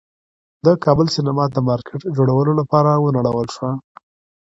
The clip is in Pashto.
د کابل سینما د مارکېټ جوړولو لپاره ونړول شوه.